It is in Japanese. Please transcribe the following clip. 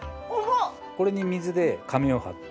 これに水で紙を貼って。